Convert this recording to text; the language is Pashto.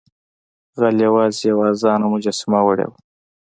غل یوازې یوه ارزانه مجسمه وړې وه.